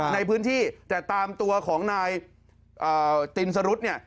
ในพื้นที่แต่ตามตัวของนายตินสรุธเนี่ย